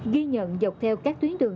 ghi nhận dọc theo các tuyến đường